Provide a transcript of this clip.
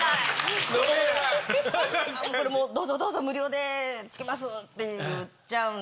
これもどうぞどうぞ無料で付けますって言っちゃうんで。